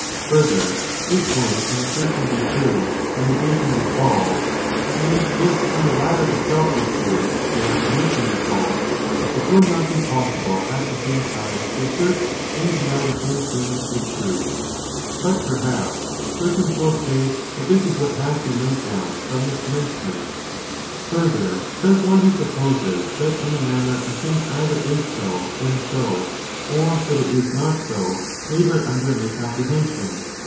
Further, if when an assertion be true the negation be false, and if when the latter itself be true the affirmation be false, it would not be possible at the same time to assert and deny the same thing with truth. But, perhaps, persons will say that this is what has been laid down from the commencement Further, does one who supposes that in a ,_«,*♦».,»« '.1 ..... M J.U A 'i. • ^2. Fifth argu manner a thing either is so and so, or that it is ment, drawn not so, labour under a misapprehension?